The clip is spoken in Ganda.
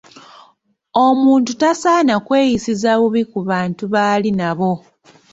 Omuntu tasaana kweyisiza bubi ku bantu baali nabo.